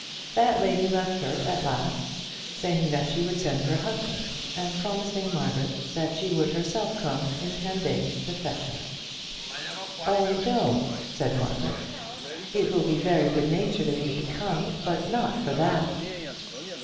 That lady left her at last, saying that she would send her husband, and promising Margaret that she would herself come in ten days to fetch her. "Oh no," said Margaret; "it will be very good natured of you to come, but not for that."